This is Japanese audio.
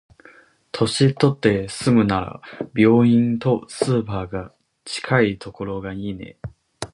年取って住むなら、病院とスーパーが近いところがいいね。